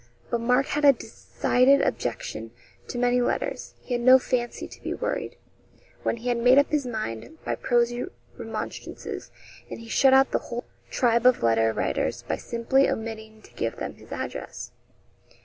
But Mark had a decided objection to many letters: he had no fancy to be worried, when he had made up his mind, by prosy remonstrances; and he shut out the whole tribe of letter writers by simply omitting to give them his address.